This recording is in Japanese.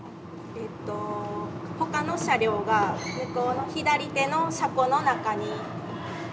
えっと他の車両が向こうの左手の車庫の中にありますね。